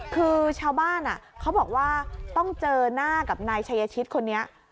คือชาวบ้านเขาบอกว่าต้องเจอหน้ากับนายชายชิตคนนี้